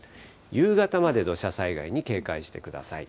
夕方まで土砂災害に警戒してください。